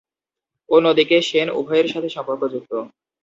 অন্যদিকে, শেন উভয়ের সাথে সম্পর্কযুক্ত।